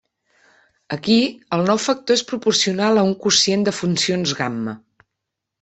Aquí, el nou factor és proporcional a un quocient de funcions gamma.